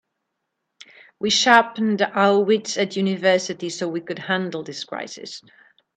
We sharpened our wits at university so we could handle this crisis.